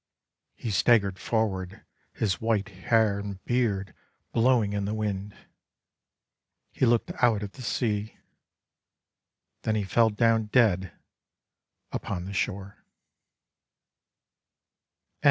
He staggered forward, his white hair and beard blowing in the wind. He looked out at the sea. Then he fell down dead upon the shore.